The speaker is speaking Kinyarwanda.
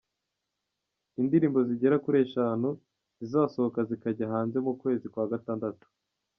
indirimbo zigera kuri eshanu zizasohoka zikajya hanze mu kwezi kwa Gatandatu.